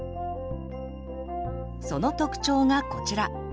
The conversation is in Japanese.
その特徴がこちら。